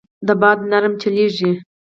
دا باد نرم چلېږي.